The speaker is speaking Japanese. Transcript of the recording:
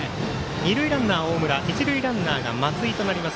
二塁ランナー大村一塁ランナーが松井となります。